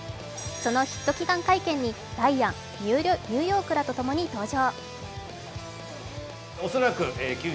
そのヒット祈願会見にダイアンニューヨークらとともに登場。